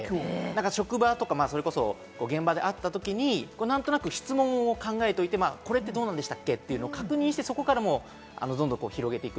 職場とか現場で会ったときに何となく質問を考えといて、これってどうなんでしたっけ？というのを確認してそこからどんどん広げていく。